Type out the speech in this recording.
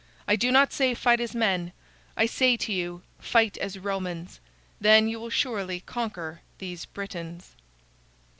I do not say fight as men; I say to you, fight as Romans. Then you will surely conquer these Britains."